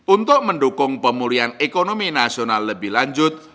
untuk mendukung pemulihan ekonomi nasional lebih lanjut